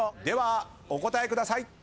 ではお答えください。